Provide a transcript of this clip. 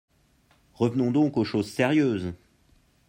Revenons donc aux choses sérieuses.